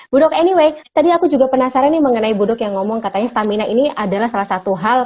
budok anyway tadi aku juga penasaran nih mengenai budok yang ngomong katanya stamina ini adalah salah satu hal